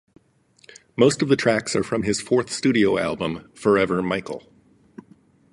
Most of the tracks are from his fourth studio album, "Forever, Michael".